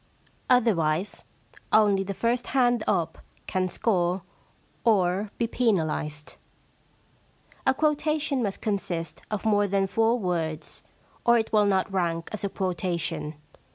Otherwise, only the first hand up can score or be penalised. * A quotation must consist of more than four words, or it will not rank as a quota tion.